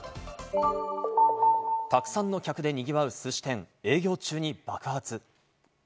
たくさんの客で賑わうすし店、営業中に爆発。